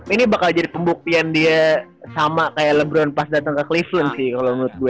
ini bakal jadi pembuktian dia sama kayak lebron pas datang ke clisen sih kalau menurut gue